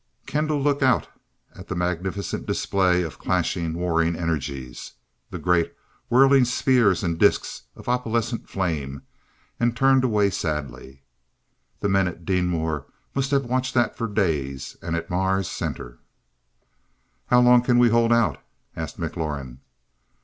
Kendall looked out at the magnificent display of clashing, warring energies, the great, whirling spheres and discs of opalescent flame, and turned away sadly. "The men at Deenmor must have watched that for days. And at Mars Center." "How long can we hold out?" asked McLaurin.